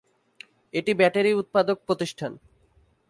এটি ব্যাটারি উৎপাদক প্রতিষ্ঠান।